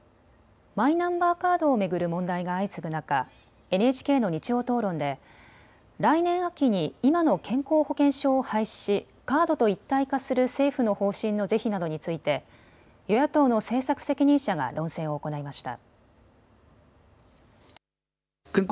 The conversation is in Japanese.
マイナンバーカードを巡る問題が相次ぐ中、ＮＨＫの日曜討論で来年秋に今の健康保険証を廃止しカードと一体化する政府の方針の是非などについて与野党の政策責任者が論戦を行いました。